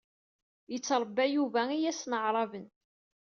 Yettṛabba Yuba iyasen aɛraben.